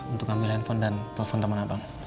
untuk ambil handphone dari abang